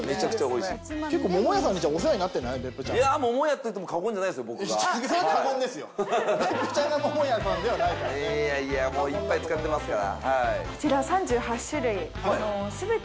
いやいやもういっぱい使ってますから。